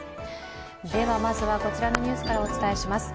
ではまずはこちらのニュースからお伝えします。